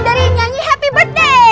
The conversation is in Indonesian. dari nyanyi happy birthday